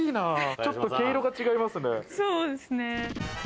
ちょっと毛色が違いますね。